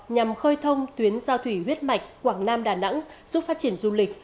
nhằm khơi thông tuyến giao thủy huyết mạch quảng nam đà nẵng giúp phát triển du lịch